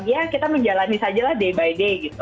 ya kita menjalani sajalah day by day gitu